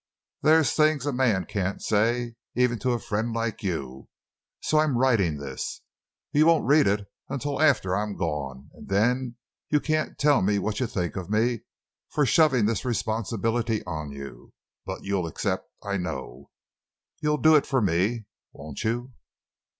There's things a man can't say, even to a friend like you. So I'm writing this. You won't read it until after I'm gone, and then you can't tell me what you think of me for shoving this responsibility on you. But you'll accept, I know; you'll do it for me, won't you?